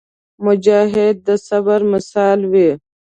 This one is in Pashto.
مجاهد د صبر مثال وي.